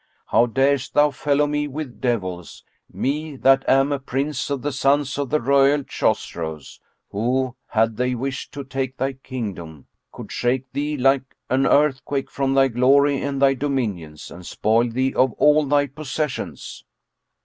How darest thou fellow me with devils, me that am a Prince of the sons of the royal Chosroes who, had they wished to take thy kingdom, could shake thee like an earthquake from thy glory and thy dominions and spoil thee of all thy possessions?"